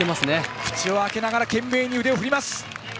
口を開けながら懸命に腕を振ります。